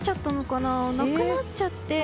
なくなっちゃって。